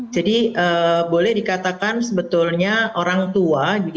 jadi boleh dikatakan sebetulnya orang tua